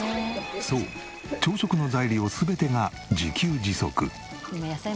そう朝食の材料全てが自給自足。